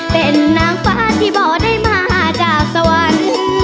เป็นนางฟ้าที่บ่ได้มาจากสวรรค์